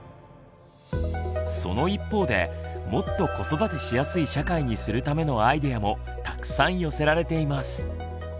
その一方でもっと子育てしやすい社会にするためのアイデアもたくさん寄せられています。